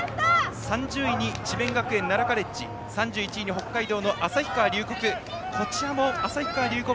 ３０位に智弁カレッジ３１位に北海道の旭川龍谷。